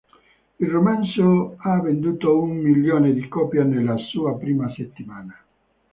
Il romanzo ha venduto un milione di copie nella sua prima settimana.